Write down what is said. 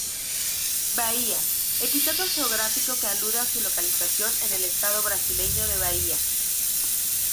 Bahia epíteto geográfico que alude a su localización en el estado brasileño de Bahía.